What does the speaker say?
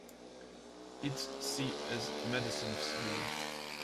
Its seat is Madisonville.